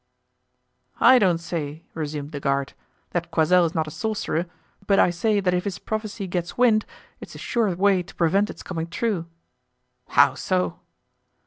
"I don't say," resumed the guard, "that Coysel is not a sorcerer, but I say that if his prophecy gets wind, it's a sure way to prevent it's coming true." "How so?"